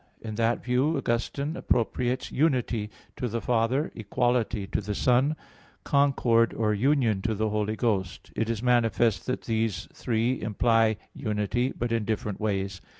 In that view Augustine (De Doctr. Christ. i, 5) appropriates "unity" to the Father, "equality" to the Son, "concord" or "union" to the Holy Ghost. It is manifest that these three imply unity, but in different ways.